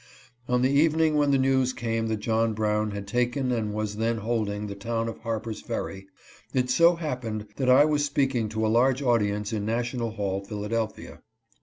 On the evening when the news came that John Brown had taken and was then holding the town of Harper's Ferry, it so happened that I was speaking to a large audi ence in National Hall, Philadelphia.